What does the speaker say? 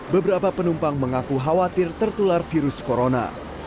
beberapa penumpang mengaku khawatir tertular virus corona